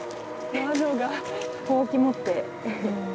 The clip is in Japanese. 魔女がほうき持って。